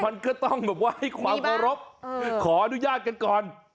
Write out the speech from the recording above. มันก็ต้องแบบว่าให้ความเคารพขออนุญาตกันก่อน